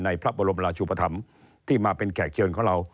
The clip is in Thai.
พระบรมราชุปธรรมที่มาเป็นแขกเชิญของเรา